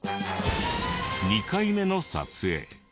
２回目の撮影。